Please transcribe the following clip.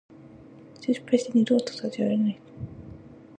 一度失敗して二度と立ち上がれないたとえ。「蹶」はつまずく意。